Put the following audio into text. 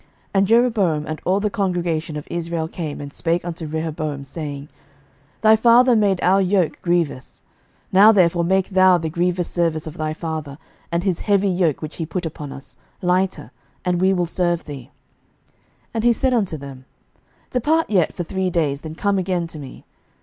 And Jeroboam and all the congregation of Israel came, and spake unto Rehoboam, saying, 11:012:004 Thy father made our yoke grievous: now therefore make thou the grievous service of thy father, and his heavy yoke which he put upon us, lighter, and we will serve thee. 11:012:005 And he said unto them, Depart yet for three days, then come again to me.